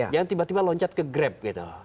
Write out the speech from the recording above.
jangan tiba tiba loncat ke grab gitu